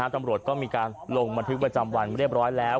ตำรวจก็มีการลงบันทึกประจำวันเรียบร้อยแล้ว